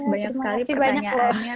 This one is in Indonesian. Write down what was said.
banyak sekali pertanyaannya